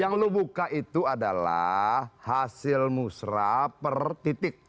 yang lo buka itu adalah hasil musrah per titik